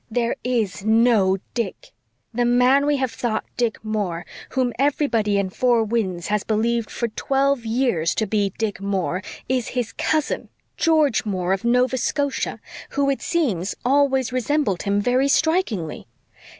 "There is NO Dick! The man we have thought Dick Moore whom everybody in Four Winds has believed for twelve years to be Dick Moore is his cousin, George Moore, of Nova Scotia, who, it seems, always resembled him very strikingly.